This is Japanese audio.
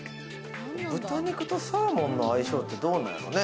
豚肉とサーモンの相性って、どうなんやろうね。